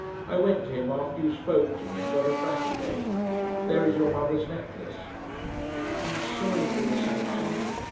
I went to him after you spoke to me, and got it back again. There is your mother's necklace." "I am sorry for this, Anton."